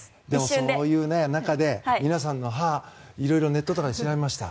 そういう中で皆さんの歯ネットとかで調べました。